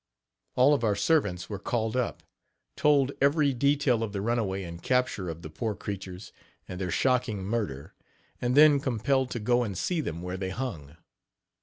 All of our servants were called up, told every detail of the runaway and capture of the poor creatures and their shocking murder, and then compelled to go and see them where they hung.